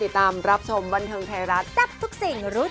อุ๊ยว่าแม่งผิดเป็นครู